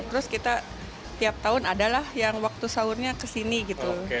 terus kita tiap tahun adalah yang waktu sahurnya kesini gitu